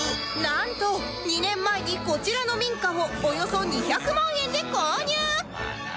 なんと２年前にこちらの民家をおよそ２００万円で購入